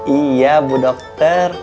iya bu dokter